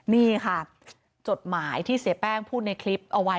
นี่ค่ะจดหมายที่เสียแป้งพูดในคลิปเอาไว้